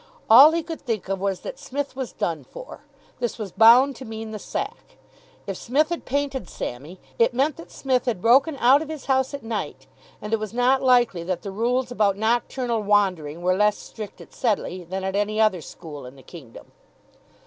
All he could think of was that Psmith was done for. This was bound to mean the sack. If Psmith had painted Sammy, it meant that Psmith had broken out of his house at night: and it was not likely that the rules about nocturnal wandering were less strict at Sedleigh than at any other school in the kingdom.